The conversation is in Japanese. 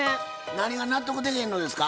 何が納得できへんのですか？